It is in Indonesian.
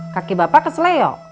kaki bapak kesel yo